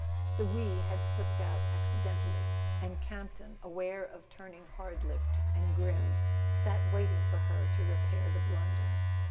The "we" had slipped out accidentally, and Campton, aware of turning hard lipped and grim, sat waiting for her to repair the blunder.